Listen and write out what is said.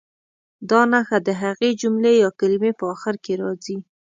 دا نښه د هغې جملې یا کلمې په اخر کې راځي.